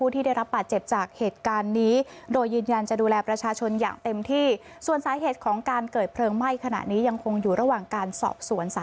ที่แหลมชะบังวันนี้ครับ